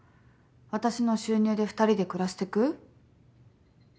私の収入で２人で暮らしてく？